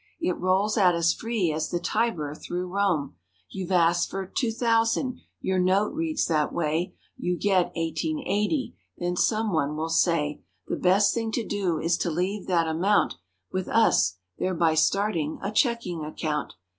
It rolls out as free as the Tiber through Rome. You've asked for "two thousand"—^your note reads that way— You get "eighteen eighty." Then some one will say: "The best thing to do is to leave that amount With us, thereby starting a checking account."